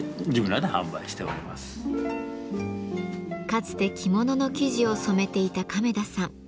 かつて着物の生地を染めていた亀田さん。